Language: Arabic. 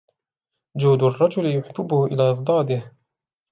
جُودُ الرَّجُلِ يُحَبِّبُهُ إلَى أَضْدَادِهِ